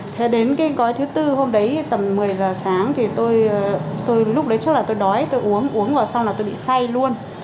thế đến cái gói thứ tư hôm đấy tầm một mươi giờ sáng thì tôi lúc đấy trước là tôi nói tôi uống uống rồi xong là tôi bị say luôn